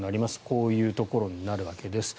こういうところになるわけです。